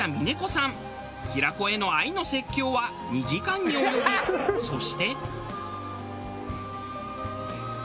平子への愛の説教は２時間に及びそして。